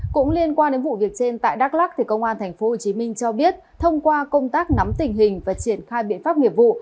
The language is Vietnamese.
cũng liên quan đến vụ việc trên tại đắk lắc công an tp hcm cho biết thông qua công tác nắm tình hình và triển khai biện pháp nghiệp vụ